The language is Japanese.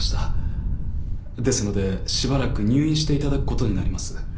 ですのでしばらく入院して頂く事になります。